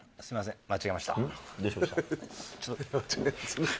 すいません。